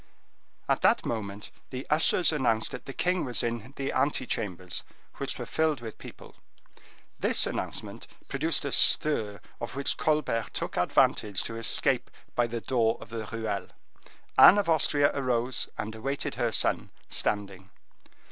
At that moment the ushers announced that the king was in the ante chambers, which were filled with people. This announcement produced a stir of which Colbert took advantage to escape by the door of the ruelle. Anne of Austria arose, and awaited her son, standing.